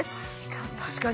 確かに。